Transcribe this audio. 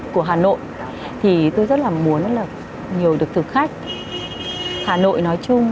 của hà nội thì tôi rất là muốn là nhờ được thực khách hà nội nói chung